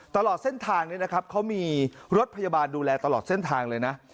ตลอดเส้นทางนี้นะครับเขามีรถพยาบาลดูแลตลอดเส้นทางเลยนะ